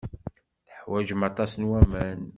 Teḥwajem aṭas n waman.